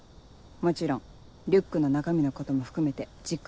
もちろんリュックの中身のことも含めてじっくりね。